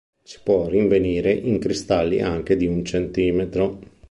Si può rinvenire in cristalli anche di un centimetro.